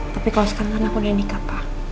tapi kalau sekarang kan aku udah nikah